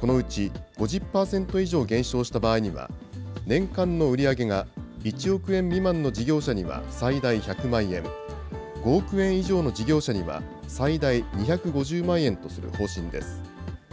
このうち５０％以上減少した場合には、年間の売り上げが１億円未満の事業者には最大１００万円、５億円以上の事業者には、最大２５０万円とする方針です。